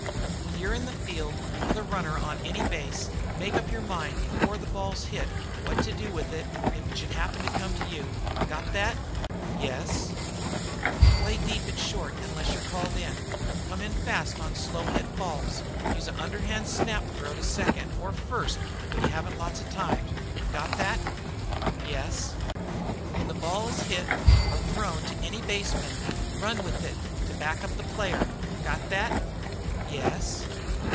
"When you're in the field with a runner on any base make up your mind before the ball's hit what to do with it if it should happen to come to you. Got thet?" "Yes." "Play a deep short unless you're called in. Come in fast on slow hit balls; use a underhand snap throw to second or first base when you haven't lots of time. Got thet?" "Yes." "When the ball is hit or thrown to any base man, run with it to back up the player. Got thet?" "Yes.